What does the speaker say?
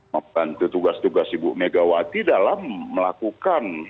membantu tugas tugas ibu megawati dalam melakukan